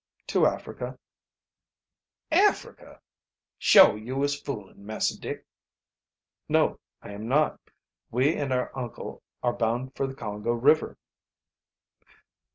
"To Africa." "Africa! Shuah yo' is foolin', Massah Dick?" "No, I am not. We and our uncle are bound for the Congo River."